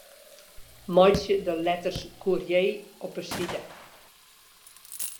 Meitsje de letters Courier op 'e side.